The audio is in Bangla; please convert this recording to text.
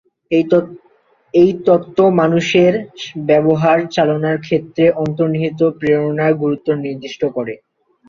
এই তত্ত্ব মানুষের ব্যবহার চালনার ক্ষেত্রে অন্তর্নিহিত প্রেরণার গুরুত্ব নির্দিষ্ট করে।